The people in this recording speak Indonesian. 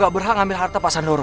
lo berhak ngambil harta pasan roro